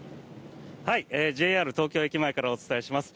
東京駅前からお伝えします。